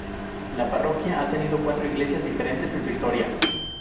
La parroquia ha tenido cuatro iglesias diferentes en su historia.